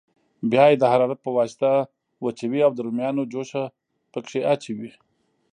بیا یې د حرارت په واسطه وچوي او د رومیانو جوشه پکې اچوي.